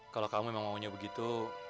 kalau kamu memang maunya begitu